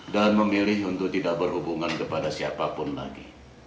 dan memilih untuk tidak berhubungan kepada siapa pun lagi